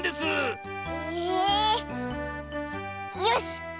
よし！